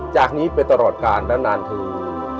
จากนี้ไปตลอดกาลและนานถึง